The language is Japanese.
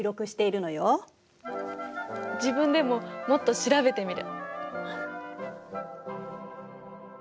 自分でももっと調べてみる。